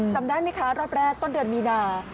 จำได้ไหมคะรอบแรกต้นเดือนมีนา